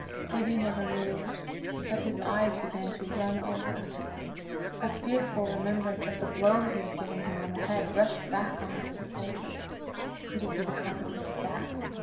Gibbie never moved, but his eyes began to run over. A fearful remembrance of the blow he had given him on the head rushed back on Mr. Sclater: could it be the consequence of that?